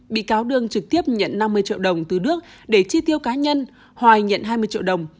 bị cáo đương trực tiếp nhận năm mươi triệu đồng từ đức để chi tiêu cá nhân hoài nhận hai mươi triệu đồng